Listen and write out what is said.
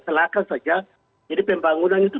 silakan saja jadi pembangunan itu